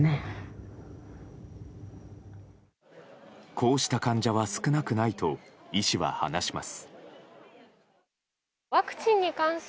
こうした患者は少なくないと医師は話します。